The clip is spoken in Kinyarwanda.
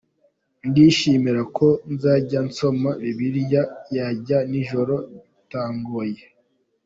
Ndishimira ko nzajya nsoma Bibiliya yanjye nijoro bitangoye.